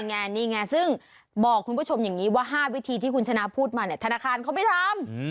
นี่ไงซึ่งบอกคุณผู้ชมอย่างนี้ว่า๕วิธีที่คุณชนะพูดมาเนี่ยธนาคารเขาไม่ทำ